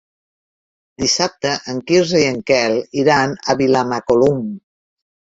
Dissabte en Quirze i en Quel iran a Vilamacolum.